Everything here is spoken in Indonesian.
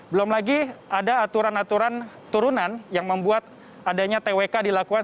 belum lagi ada aturan aturan turunan yang membuat adanya twk dilakukan